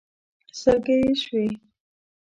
سلګۍ يې شوې.